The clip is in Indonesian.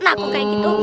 nah kok kayak gitu